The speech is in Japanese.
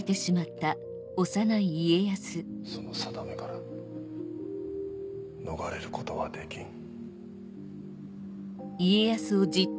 そのさだめから逃れることはできん。